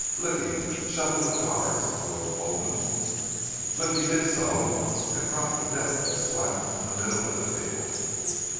"Blicky, shuffle the cards," boomed Gulden. Blicky did so and dropped the deck with a slap in the middle of the table.